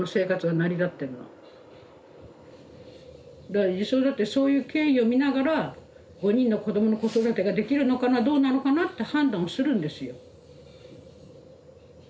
だから児相だってそういう経緯を見ながら５人の子どもの子育てができるのかなどうなのかなって判断をするんですよ。